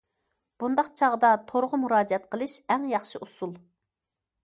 بۇنداق چاغدا تورغا مۇراجىئەت قىلىش ئەڭ ياخشى ئۇسۇل.